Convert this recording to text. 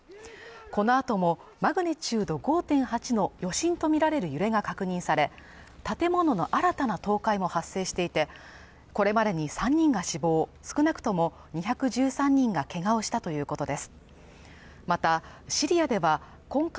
このあともマグニチュード５．８の余震とみられる揺れが確認され建物の新たな倒壊も発生していて、これまでに３人が死亡、少なくとも２１３人がけがをしたということです。